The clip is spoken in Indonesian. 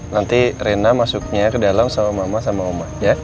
nanti rena masuknya ke dalam sama mama sama oma